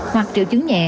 hoặc triệu chứng nhẹ